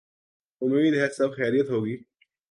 امید ہے سب خیریت ہو گی۔